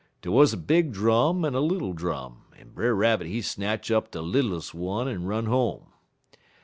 Dey wuz a big drum en a little drum, en Brer Rabbit he snatch up de littles' one en run home.